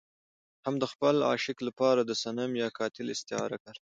هم د خپل عاشق لپاره د صنم يا قاتل استعاره کاروي.